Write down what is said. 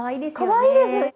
かわいいです！